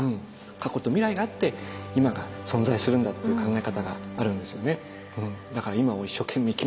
過去と未来があって今が存在するんだっていう考え方があるんですよね。